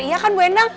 iya kan bu endang